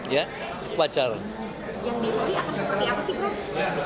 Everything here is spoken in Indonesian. yang dicari apa sih